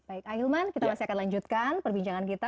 baik ah ilman kita masih akan lanjutkan perbincangan kita